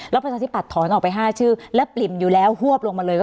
ประชาธิบัตย์ถอนออกไป๕ชื่อและปริ่มอยู่แล้วฮวบลงมาเลย